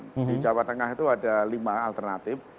di jawa tengah itu ada lima alternatif